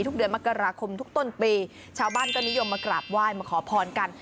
เดือนมกราคมทุกต้นปีชาวบ้านก็นิยมมากราบไหว้มาขอพรกัน